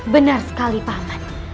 benar sekali paman